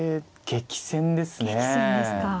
激戦ですか。